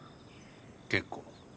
結構。